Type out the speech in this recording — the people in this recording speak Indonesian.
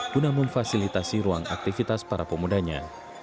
guna memfasilitasi ruang aktivitas para pemudanya